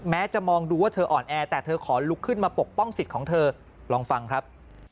จะมองดูว่าเธออ่อนแอแต่เธอขอลุกขึ้นมาปกป้องสิทธิ์ของเธอลองฟังครับ